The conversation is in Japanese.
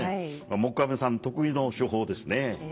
黙阿弥さん得意の手法ですね。